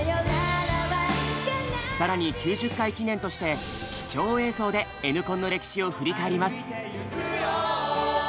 更に９０回記念として貴重映像でＮコンの歴史を振り返ります。